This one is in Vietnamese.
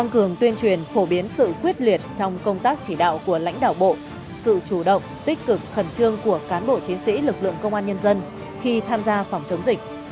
tuyên truyền phổ biến sự quyết liệt trong công tác chỉ đạo của lãnh đạo bộ sự chủ động tích cực khẩn trương của cán bộ chiến sĩ lực lượng công an nhân dân khi tham gia phòng chống dịch